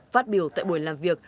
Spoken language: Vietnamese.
phát biểu tại buổi làm việc